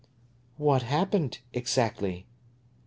"What happened, exactly?"